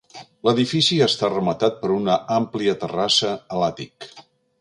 L'edifici està rematat per una àmplia terrassa a l'àtic.